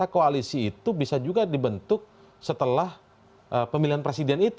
koalisi pun dibangun setelah pemilihan presiden